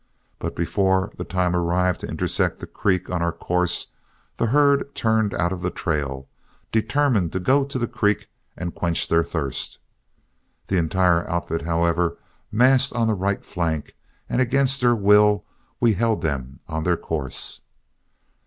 But before the time arrived to intersect the creek on our course, the herd turned out of the trail, determined to go to the creek and quench their thirst. The entire outfit, however, massed on the right flank, and against their will we held them on their course.